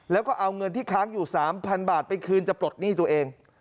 แล้วก็เอาเงินที่ค้างอยู่๓๐๐๐บาทไปคืนจะปลดหนี้ตัวเอง